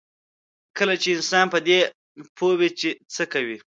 کله چې انسان په دې پوه وي چې څه کوي.